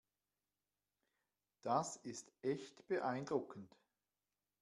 Das ist echt beeindruckend.